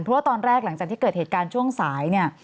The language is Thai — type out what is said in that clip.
เพราะว่าตอนแรกหลังจากที่เกิดเหตุการณ์ช่วงสายเนี่ย